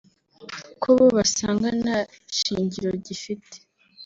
ko bo basanga nta shingiro gifite